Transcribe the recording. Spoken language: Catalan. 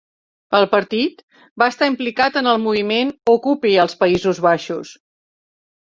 El partit va estar implicat en el moviment Occupy als Països Baixos.